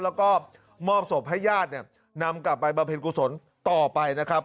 แล้วก็มอบศพให้ญาตินำกลับไปบริเวณกุศลต่อไปนะครับ